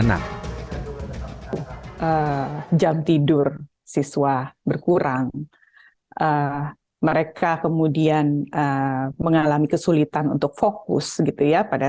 nah jam tidur siswa berkurang mereka kemudian mengalami kesulitan untuk fokus gitu ya pada